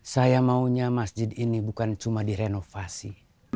saya maunya masjid ini bukan cuma direnovasi